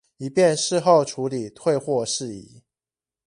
以便事後處理退貨事宜